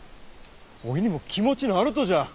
おいにも気持ちのあるとじゃ！